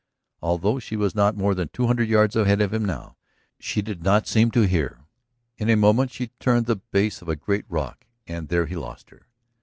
Although she was not more than two hundred yards ahead of him now, she did not seem to hear. In a moment she turned the base of a great rock, and there he lost her.